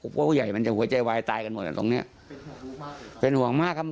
ว่าผู้ใหญ่มันจะหัวใจวายตายกันหมดอ่ะตรงเนี้ยเป็นห่วงมากครับ